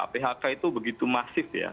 phk itu begitu masif ya